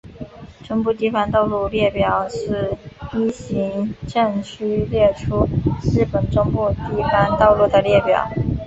中部地方道路列表是依行政区列出日本中部地方道路的列表。